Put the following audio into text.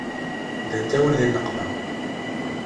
Ddant-awen di nneqma.